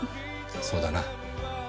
そうだな。